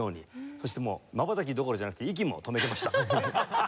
そしてもうまばたきどころじゃなくて息も止めてました。